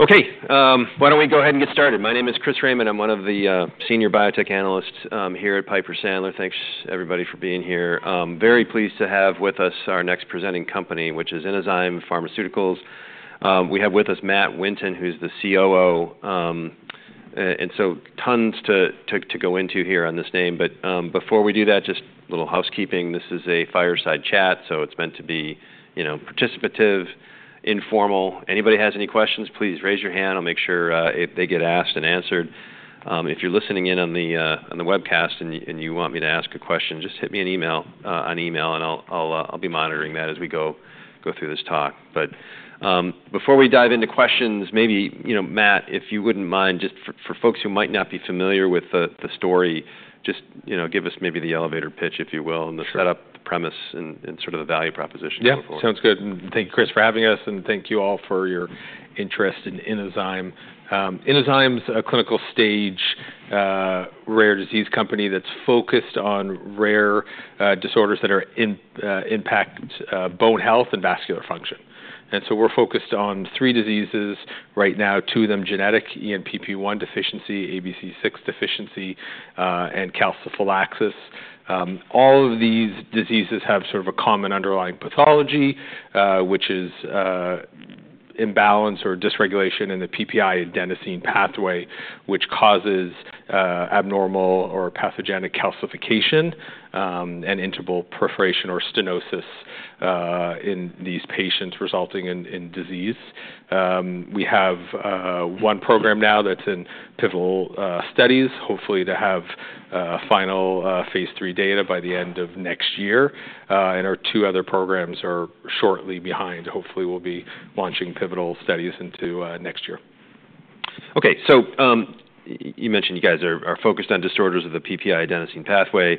Okay, why don't we go ahead and get started? My name is Chris Raymond. I'm one of the senior biotech analysts here at Piper Sandler. Thanks, everybody, for being here. Very pleased to have with us our next presenting company, which is Inozyme Pharmaceuticals. We have with us Matt Winton, who's the COO, and so tons to go into here on this name, but before we do that, just a little housekeeping. This is a fireside chat, so it's meant to be participative, informal. Anybody has any questions, please raise your hand. I'll make sure they get asked and answered. If you're listening in on the webcast and you want me to ask a question, just hit me an email. And I'll be monitoring that as we go through this talk. But before we dive into questions, maybe Matt, if you wouldn't mind, just for folks who might not be familiar with the story, just give us maybe the elevator pitch, if you will, and the setup, the premise, and sort of the value proposition. Yeah, sounds good. Thank you, Chris, for having us. And thank you all for your interest in Inozyme. Inozyme's a clinical stage rare disease company that's focused on rare disorders that impact bone health and vascular function. And so we're focused on three diseases right now, two of them genetic: ENPP1 deficiency, ABCC6 deficiency, and calciphylaxis. All of these diseases have sort of a common underlying pathology, which is imbalance or dysregulation in the PPi adenosine pathway, which causes abnormal or pathogenic calcification and intimal proliferation or stenosis in these patients, resulting in disease. We have one program now that's in pivotal studies, hopefully to have final phase 3 data by the end of next year. And our two other programs are shortly behind. Hopefully, we'll be launching pivotal studies into next year. Okay, so you mentioned you guys are focused on disorders of the PPi adenosine pathway.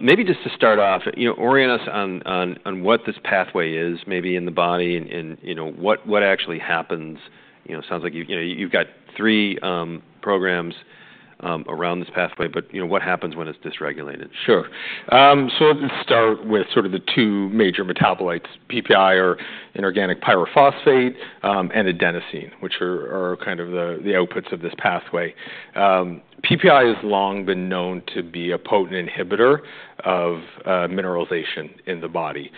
Maybe just to start off, orient us on what this pathway is, maybe in the body, and what actually happens. Sounds like you've got three programs around this pathway, but what happens when it's dysregulated? Sure. So let's start with sort of the two major metabolites: PPi, or inorganic pyrophosphate, and adenosine, which are kind of the outputs of this pathway. PPi has long been known to be a potent inhibitor of mineralization in the body.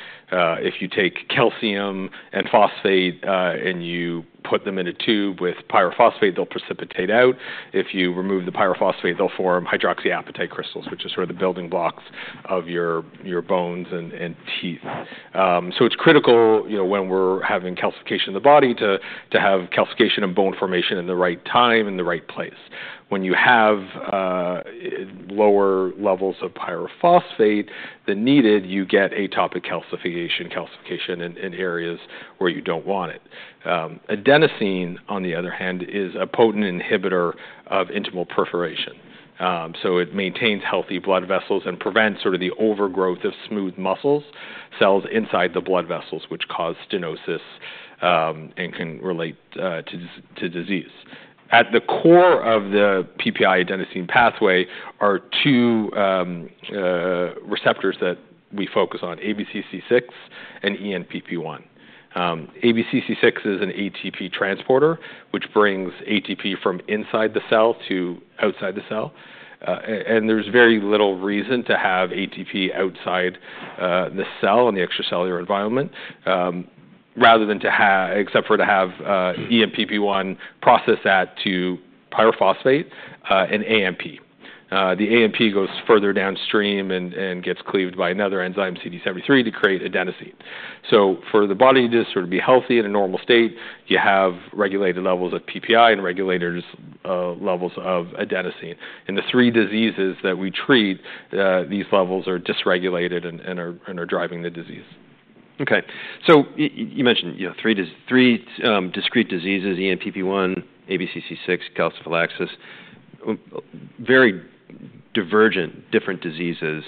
If you take calcium and phosphate and you put them in a tube with pyrophosphate, they'll precipitate out. If you remove the pyrophosphate, they'll form hydroxyapatite crystals, which are sort of the building blocks of your bones and teeth. So it's critical when we're having calcification in the body to have calcification and bone formation in the right time and the right place. When you have lower levels of pyrophosphate than needed, you get ectopic calcification in areas where you don't want it. Adenosine, on the other hand, is a potent inhibitor of intimal proliferation. So it maintains healthy blood vessels and prevents sort of the overgrowth of smooth muscle cells inside the blood vessels, which cause stenosis and can relate to disease. At the core of the PPi adenosine pathway are two receptors that we focus on: ABCC6 and ENPP1. ABCC6 is an ATP transporter, which brings ATP from inside the cell to outside the cell. And there's very little reason to have ATP outside the cell in the extracellular environment, except for to have ENPP1 process that to pyrophosphate and AMP. The AMP goes further downstream and gets cleaved by another enzyme, CD73, to create adenosine. So for the body to sort of be healthy in a normal state, you have regulated levels of PPi and regulated levels of adenosine. In the three diseases that we treat, these levels are dysregulated and are driving the disease. Okay, so you mentioned three discrete diseases: ENPP1, ABCC6, calciphylaxis. Very divergent, different diseases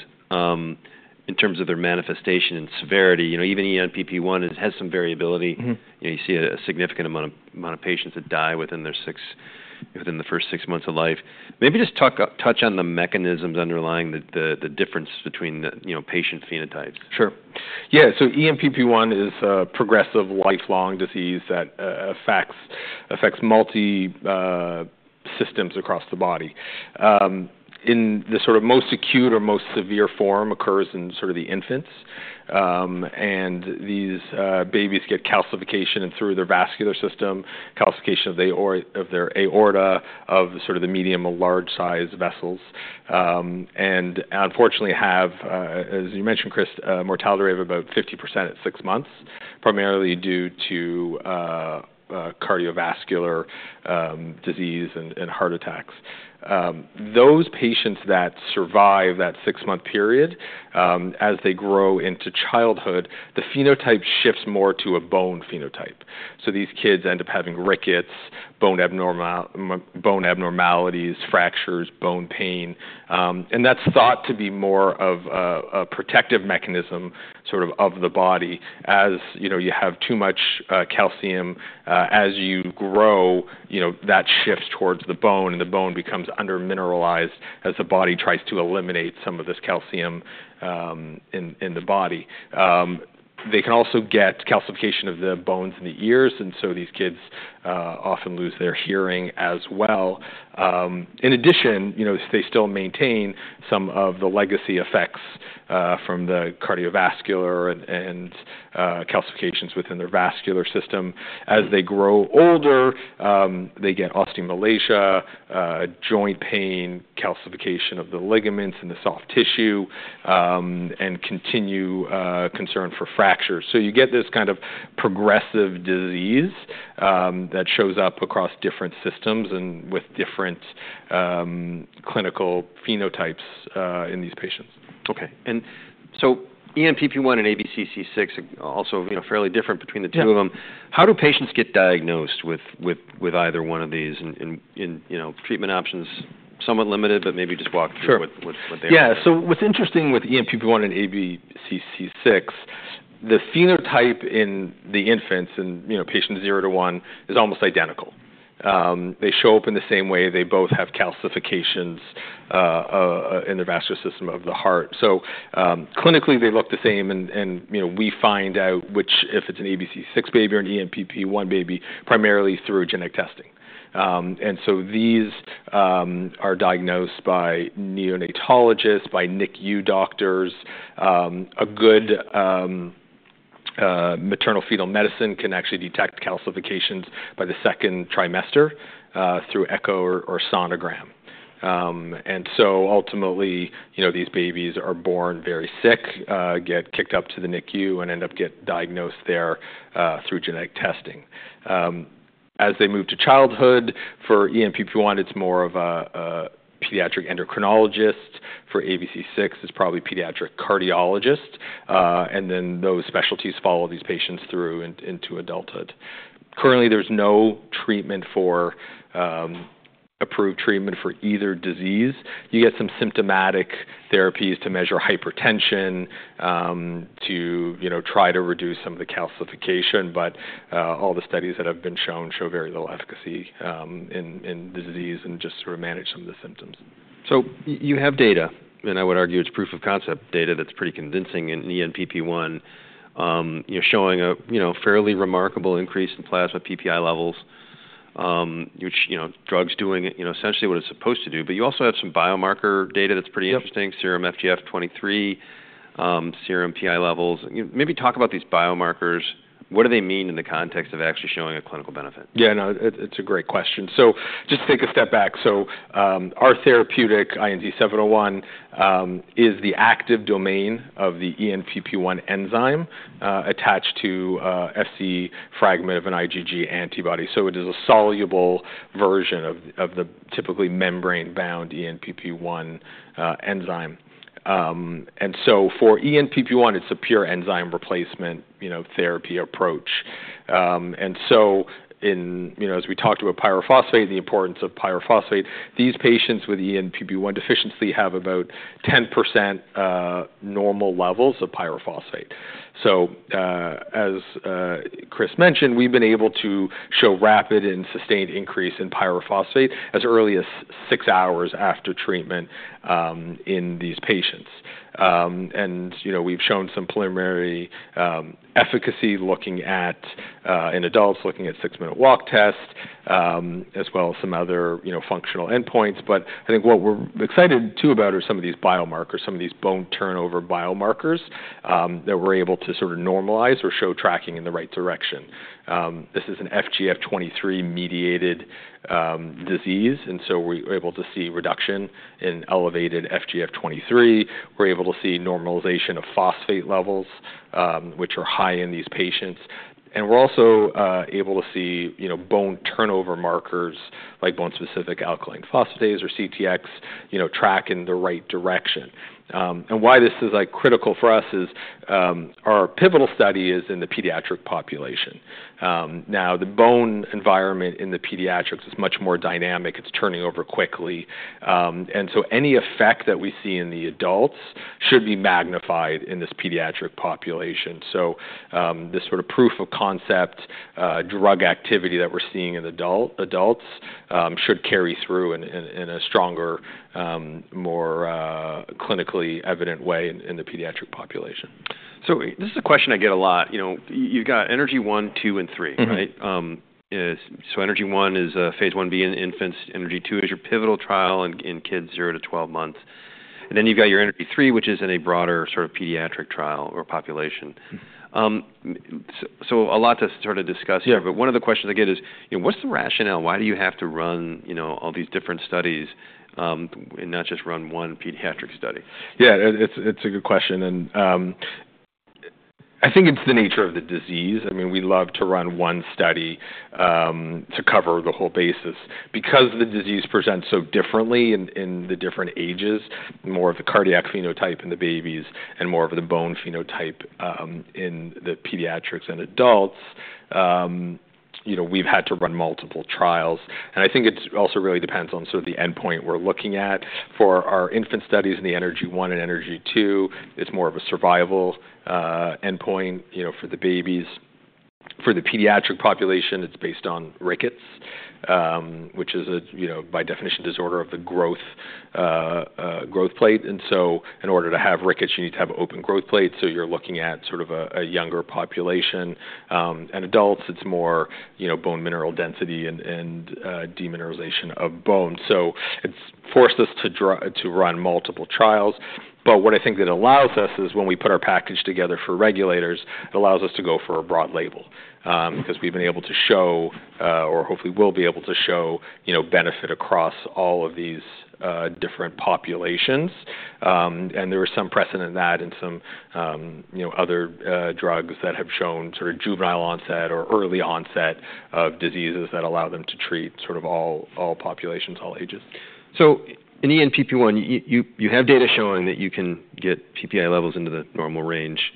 in terms of their manifestation and severity. Even ENPP1 has some variability. You see a significant amount of patients that die within the first six months of life. Maybe just touch on the mechanisms underlying the difference between patient phenotypes. Sure. Yeah, so ENPP1 is a progressive lifelong disease that affects multiple systems across the body. In the sort of most acute or most severe form, it occurs in sort of the infants, and these babies get calcification through their vascular system, calcification of their aorta, of sort of the medium and large size vessels. And unfortunately, have, as you mentioned, Chris, a mortality rate of about 50% at six months, primarily due to cardiovascular disease and heart attacks. Those patients that survive that six-month period, as they grow into childhood, the phenotype shifts more to a bone phenotype, so these kids end up having rickets, bone abnormalities, fractures, bone pain, and that's thought to be more of a protective mechanism sort of of the body. As you have too much calcium, as you grow, that shifts towards the bone, and the bone becomes undermineralized as the body tries to eliminate some of this calcium in the body. They can also get calcification of the bones in the ears, and so these kids often lose their hearing as well. In addition, they still maintain some of the legacy effects from the cardiovascular and calcifications within their vascular system. As they grow older, they get osteomalacia, joint pain, calcification of the ligaments and the soft tissue, and continued concern for fractures. So you get this kind of progressive disease that shows up across different systems and with different clinical phenotypes in these patients. Okay, and so ENPP1 and ABCC6 are also fairly different between the two of them. How do patients get diagnosed with either one of these? And treatment options are somewhat limited, but maybe just walk through what they are. Yeah, so what's interesting with ENPP1 and ABCC6, the phenotype in the infants and patients zero to one is almost identical. They show up in the same way. They both have calcifications in the vascular system of the heart. So clinically, they look the same. And we find out if it's an ABCC6 baby or an ENPP1 baby primarily through genetic testing. And so these are diagnosed by neonatologists, by NICU doctors. A good maternal-fetal medicine can actually detect calcifications by the second trimester through echo or sonogram. And so ultimately, these babies are born very sick, get kicked up to the NICU, and end up getting diagnosed there through genetic testing. As they move to childhood, for ENPP1, it's more of a pediatric endocrinologist. For ABCC6, it's probably pediatric cardiologist. And then those specialties follow these patients through into adulthood. Currently, there's no approved treatment for either disease. You get some symptomatic therapies to measure hypertension, to try to reduce some of the calcification. But all the studies that have been shown show very little efficacy in the disease and just sort of manage some of the symptoms. So you have data, and I would argue it's proof of concept data that's pretty convincing in ENPP1, showing a fairly remarkable increase in plasma PPi levels, which drug's doing essentially what it's supposed to do. But you also have some biomarker data that's pretty interesting: serum FGF23, serum Pi levels. Maybe talk about these biomarkers. What do they mean in the context of actually showing a clinical benefit? Yeah, no, it's a great question. So just to take a step back, so our therapeutic INZ-701 is the active domain of the ENPP1 enzyme attached to Fc fragment of an IgG antibody. So it is a soluble version of the typically membrane-bound ENPP1 enzyme. And so for ENPP1, it's a pure enzyme replacement therapy approach. And so as we talked about pyrophosphate and the importance of pyrophosphate, these patients with ENPP1 deficiency have about 10% normal levels of pyrophosphate. So as Chris mentioned, we've been able to show rapid and sustained increase in pyrophosphate as early as six hours after treatment in these patients. And we've shown some preliminary efficacy looking at in adults, looking at six-minute walk test, as well as some other functional endpoints. But I think what we're excited too about are some of these biomarkers, some of these bone turnover biomarkers that we're able to sort of normalize or show tracking in the right direction. This is an FGF23-mediated disease. And so we're able to see reduction in elevated FGF23. We're able to see normalization of phosphate levels, which are high in these patients. And we're also able to see bone turnover markers like bone-specific alkaline phosphatase, or CTX, track in the right direction. And why this is critical for us is our pivotal study is in the pediatric population. Now, the bone environment in the pediatrics is much more dynamic. It's turning over quickly. And so any effect that we see in the adults should be magnified in this pediatric population. So this sort of proof of concept drug activity that we're seeing in adults should carry through in a stronger, more clinically evident way in the pediatric population. So this is a question I get a lot. You've got ENERGY-1, 2, and 3, right? So ENERGY-1 is phase 1b in infants. ENERGY-2 is your pivotal trial in kids zero to 12 months. And then you've got your ENERGY-3, which is in a broader sort of pediatric trial or population. So a lot to sort of discuss here. But one of the questions I get is, what's the rationale? Why do you have to run all these different studies and not just run one pediatric study? Yeah, it's a good question, and I think it's the nature of the disease. I mean, we love to run one study to cover the whole basis. Because the disease presents so differently in the different ages, more of the cardiac phenotype in the babies and more of the bone phenotype in the pediatrics and adults, we've had to run multiple trials, and I think it also really depends on sort of the endpoint we're looking at. For our infant studies in the ENERGY-1 and ENERGY-2, it's more of a survival endpoint for the babies. For the pediatric population, it's based on rickets, which is by definition a disorder of the growth plate, and so in order to have rickets, you need to have open growth plates, so you're looking at sort of a younger population. In adults, it's more bone mineral density and demineralization of bone. So it's forced us to run multiple trials. But what I think that allows us is when we put our package together for regulators, it allows us to go for a broad label because we've been able to show, or hopefully will be able to show, benefit across all of these different populations. And there is some precedent in that and some other drugs that have shown sort of juvenile onset or early onset of diseases that allow them to treat sort of all populations, all ages. In ENPP1, you have data showing that you can get PPi levels into the normal range.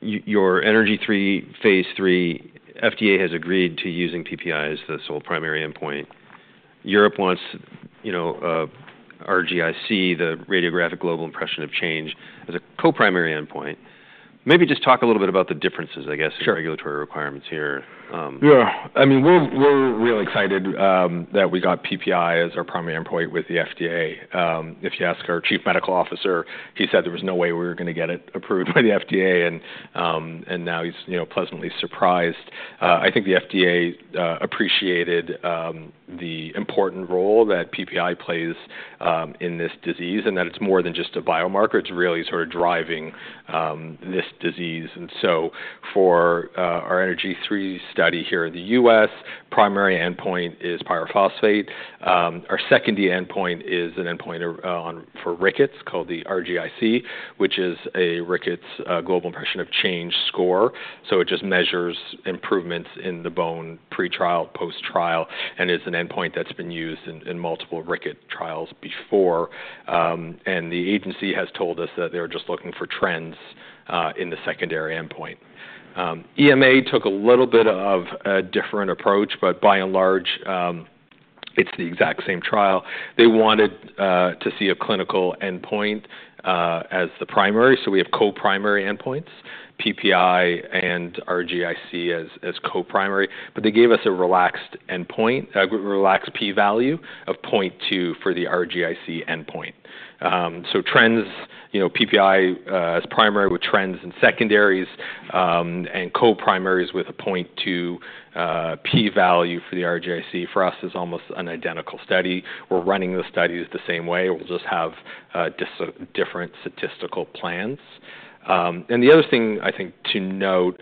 Your ENERGY-3 phase 3, FDA has agreed to using PPi as the sole primary endpoint. Europe wants RGI-C, the Radiographic Global Impression of Change, as a co-primary endpoint. Maybe just talk a little bit about the differences, I guess, in regulatory requirements here. Yeah, I mean, we're real excited that we got PPi as our primary endpoint with the FDA. If you ask our chief medical officer, he said there was no way we were going to get it approved by the FDA. And now he's pleasantly surprised. I think the FDA appreciated the important role that PPi plays in this disease and that it's more than just a biomarker. It's really sort of driving this disease. And so for our ENERGY-3 study here in the U.S., primary endpoint is pyrophosphate. Our secondary endpoint is an endpoint for rickets called the RGI-C, which is a Radiographic Global Impression of Change score. So it just measures improvements in the bone pre-trial, post-trial, and is an endpoint that's been used in multiple rickets trials before. And the agency has told us that they're just looking for trends in the secondary endpoint. EMA took a little bit of a different approach, but by and large, it's the exact same trial. They wanted to see a clinical endpoint as the primary, so we have co-primary endpoints, PPi and RGI-C as co-primary. But they gave us a relaxed p-value of 0.2 for the RGI-C endpoint, so PPi as primary with trends and secondaries and co-primary with a 0.2 p-value for the RGI-C for us is almost an identical study. We're running the studies the same way. We'll just have different statistical plans, and the other thing I think to note,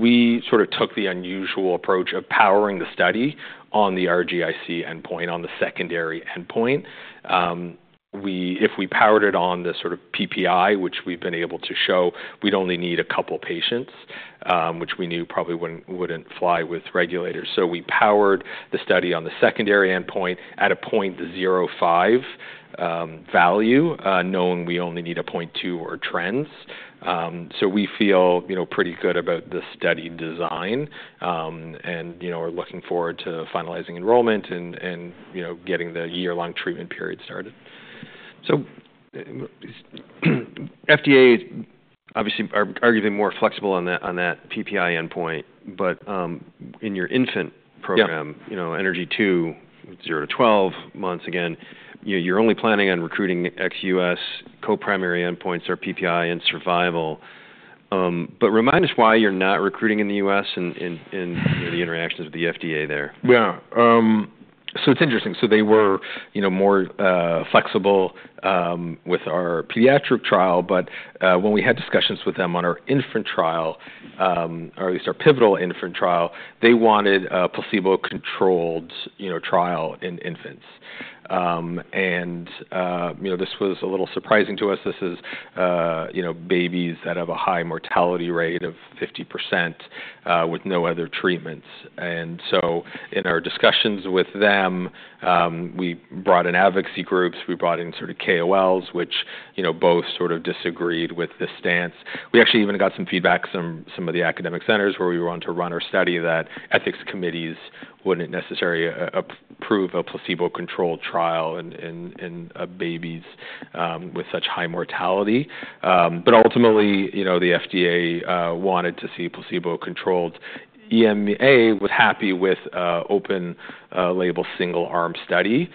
we sort of took the unusual approach of powering the study on the RGI-C endpoint, on the secondary endpoint. If we powered it on the sort of PPi, which we've been able to show, we'd only need a couple of patients, which we knew probably wouldn't fly with regulators. So we powered the study on the secondary endpoint at a 0.05 value, knowing we only need a 0.2 or trends. So we feel pretty good about the study design and are looking forward to finalizing enrollment and getting the year-long treatment period started. FDA is obviously arguably more flexible on that PPi endpoint. But in your infant program, ENERGY-2, zero to 12 months, again, you're only planning on recruiting ex-US co-primary endpoints of PPi and survival. But remind us why you're not recruiting in the US and the interactions with the FDA there. Yeah, so it's interesting. So they were more flexible with our pediatric trial. But when we had discussions with them on our infant trial, or at least our pivotal infant trial, they wanted a placebo-controlled trial in infants. And this was a little surprising to us. This is babies that have a high mortality rate of 50% with no other treatments. And so in our discussions with them, we brought in advocacy groups. We brought in sort of KOLs, which both sort of disagreed with this stance. We actually even got some feedback from some of the academic centers where we were going to run our study that ethics committees wouldn't necessarily approve a placebo-controlled trial in babies with such high mortality. But ultimately, the FDA wanted to see placebo-controlled. EMA was happy with open label single-arm study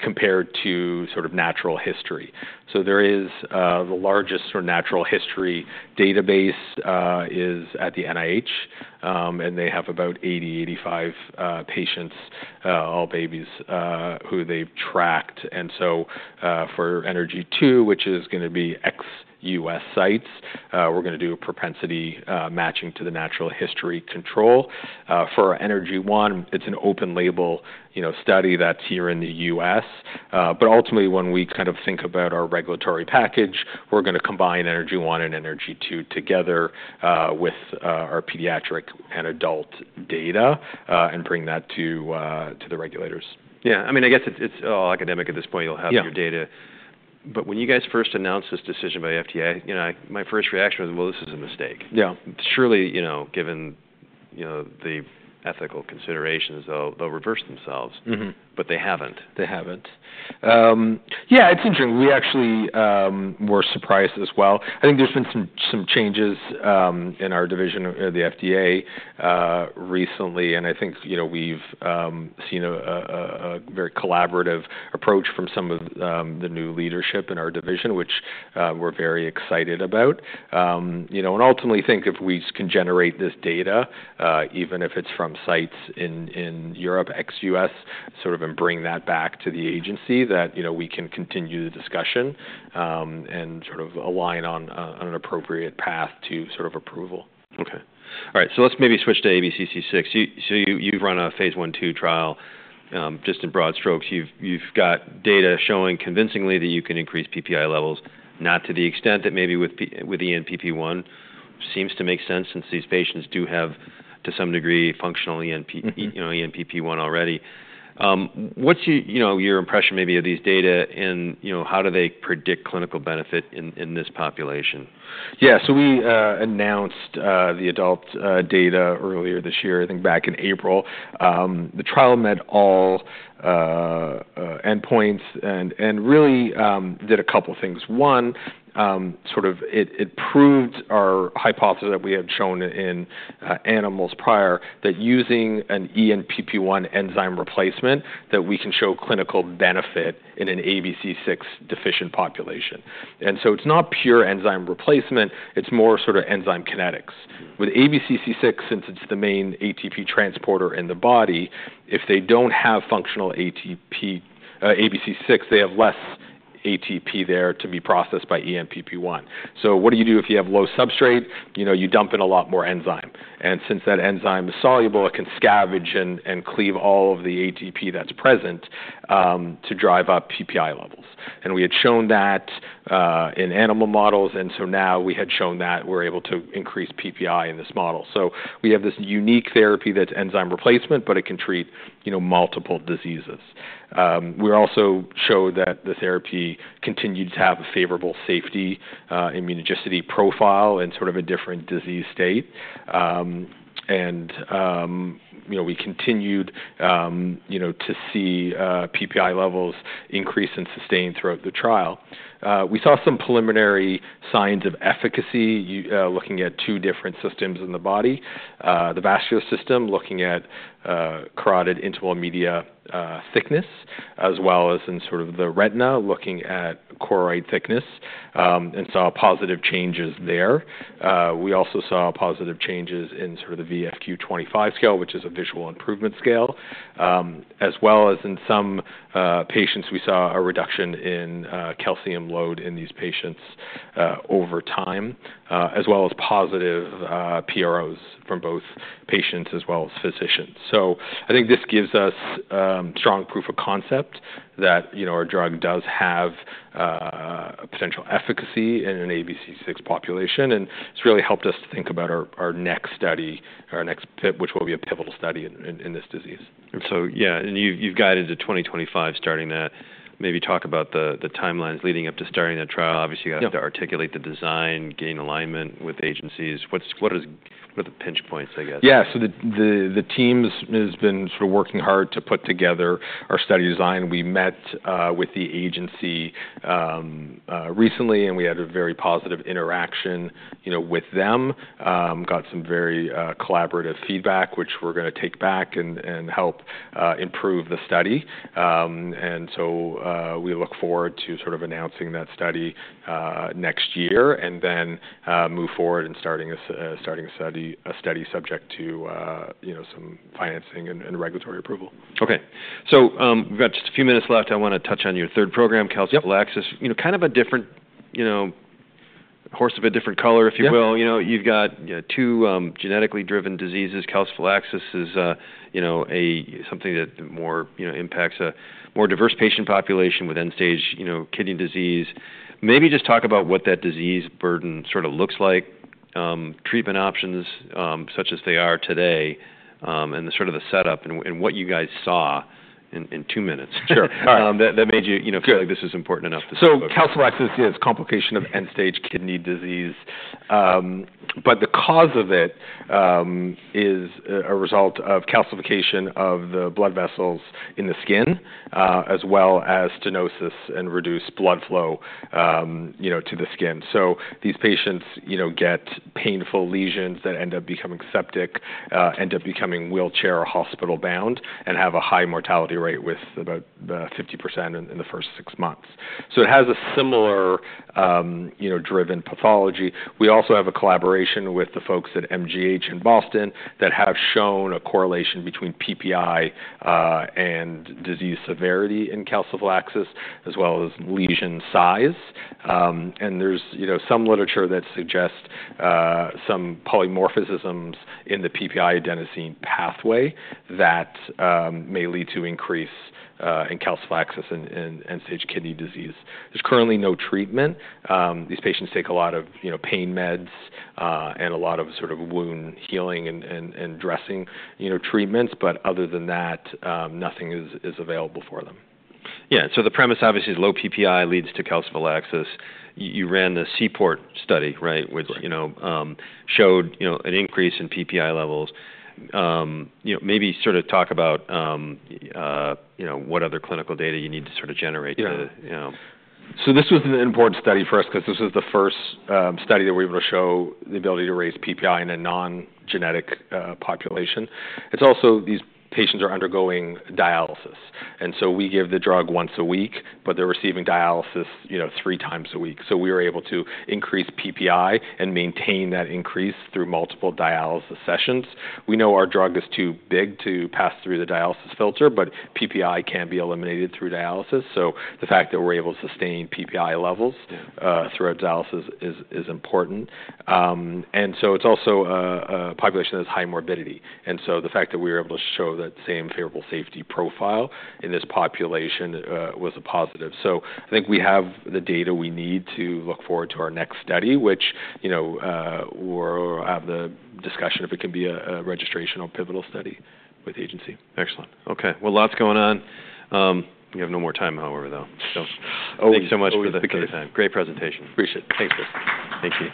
compared to sort of natural history. So the largest sort of natural history database is at the NIH, and they have about 80-85 patients, all babies who they've tracked. And so for ENERGY-2, which is going to be ex-US sites, we're going to do a propensity matching to the natural history control. For ENERGY-1, it's an open label study that's here in the U.S. But ultimately, when we kind of think about our regulatory package, we're going to combine ENERGY-1 and ENERGY-2 together with our pediatric and adult data and bring that to the regulators. Yeah, I mean, I guess it's all academic at this point. You'll have your data. But when you guys first announced this decision by FDA, my first reaction was, well, this is a mistake. Yeah. Surely, given the ethical considerations, they'll reverse themselves. But they haven't. They haven't. Yeah, it's interesting. We actually were surprised as well. I think there's been some changes in our division of the FDA recently, and I think we've seen a very collaborative approach from some of the new leadership in our division, which we're very excited about. And ultimately, think if we can generate this data, even if it's from sites in Europe, ex-US, sort of bring that back to the agency that we can continue the discussion and sort of align on an appropriate path to sort of approval. Okay. All right. So let's maybe switch to ABCC6. So you've run a phase 1/2 trial. Just in broad strokes, you've got data showing convincingly that you can increase PPi levels, not to the extent that maybe with ENPP1 seems to make sense since these patients do have, to some degree, functional ENPP1 already. What's your impression maybe of these data and how do they predict clinical benefit in this population? Yeah, so we announced the adult data earlier this year, I think back in April. The trial met all endpoints and really did a couple of things. One, sort of it proved our hypothesis that we had shown in animals prior that using an ENPP1 enzyme replacement, that we can show clinical benefit in an ABCC6 deficient population. And so it's not pure enzyme replacement. It's more sort of enzyme kinetics. With ABCC6, since it's the main ATP transporter in the body, if they don't have functional ABCC6, they have less ATP there to be processed by ENPP1. So what do you do if you have low substrate? You dump in a lot more enzyme. And since that enzyme is soluble, it can scavenge and cleave all of the ATP that's present to drive up PPi levels. And we had shown that in animal models. And so now we had shown that we're able to increase PPi in this model. So we have this unique therapy that's enzyme replacement, but it can treat multiple diseases. We also showed that the therapy continued to have a favorable safety immunogenicity profile in sort of a different disease state. And we continued to see PPi levels increase and sustain throughout the trial. We saw some preliminary signs of efficacy looking at two different systems in the body, the vascular system looking at carotid intima-media thickness, as well as in sort of the retina looking at choroid thickness, and saw positive changes there. We also saw positive changes in sort of the VFQ-25 scale, which is a visual improvement scale, as well as in some patients, we saw a reduction in calcium load in these patients over time, as well as positive PROs from both patients as well as physicians. So I think this gives us strong proof of concept that our drug does have potential efficacy in an ABCC6 population, and it's really helped us to think about our next study, our next pivot, which will be a pivotal study in this disease. And so, yeah, and you've got into 2025 starting that. Maybe talk about the timelines leading up to starting that trial. Obviously, you have to articulate the design, gain alignment with agencies. What are the pinch points, I guess? Yeah, so the team has been sort of working hard to put together our study design. We met with the agency recently, and we had a very positive interaction with them. Got some very collaborative feedback, which we're going to take back and help improve the study. And so we look forward to sort of announcing that study next year and then move forward in starting a study subject to some financing and regulatory approval. Okay. So we've got just a few minutes left. I want to touch on your third program, Calciphylaxis. Kind of a horse of a different color, if you will. You've got two genetically driven diseases. Calciphylaxis is something that impacts a more diverse patient population with end-stage kidney disease. Maybe just talk about what that disease burden sort of looks like, treatment options such as they are today, and sort of the setup and what you guys saw in two minutes. Sure. That made you feel like this is important enough to discuss. So calciphylaxis is a complication of end-stage kidney disease. But the cause of it is a result of calcification of the blood vessels in the skin, as well as stenosis and reduced blood flow to the skin. So these patients get painful lesions that end up becoming septic, end up becoming wheelchair or hospital bound, and have a high mortality rate with about 50% in the first six months. So it has a similar driven pathology. We also have a collaboration with the folks at MGH in Boston that have shown a correlation between PPi and disease severity in calciphylaxis, as well as lesion size. And there's some literature that suggests some polymorphisms in the PPi adenosine pathway that may lead to increase in calciphylaxis in end-stage kidney disease. There's currently no treatment. These patients take a lot of pain meds and a lot of sort of wound healing and dressing treatments, but other than that, nothing is available for them. Yeah. So the premise obviously is low PPi leads to calciphylaxis. You ran the CPORT study, right, which showed an increase in PPi levels. Maybe sort of talk about what other clinical data you need to sort of generate to. So this was an important study for us because this was the first study that we were able to show the ability to raise PPi in a non-genetic population. It's also these patients are undergoing dialysis. And so we give the drug once a week, but they're receiving dialysis three times a week. So we were able to increase PPi and maintain that increase through multiple dialysis sessions. We know our drug is too big to pass through the dialysis filter, but PPi can be eliminated through dialysis. So the fact that we're able to sustain PPi levels throughout dialysis is important. And so it's also a population that has high morbidity. And so the fact that we were able to show that same favorable safety profile in this population was a positive. I think we have the data we need to look forward to our next study, which we'll have the discussion if it can be a registration or pivotal study with the agency. Excellent. Okay. Well, lots going on. We have no more time, however, though. So thanks so much for the great presentation. Appreciate it. Thanks, Chris. Thank you.